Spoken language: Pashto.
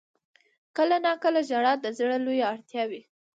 • کله ناکله ژړا د زړه لویه اړتیا وي.